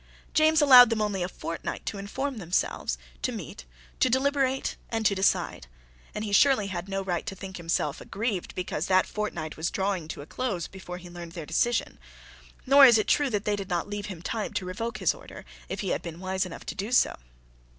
James allowed them only a fortnight to inform themselves, to meet, to deliberate, and to decide; and he surely had no right to think himself aggrieved because that fortnight was drawing to a close before he learned their decision. Nor is it true that they did not leave him time to revoke his order if he had been wise enough to do so.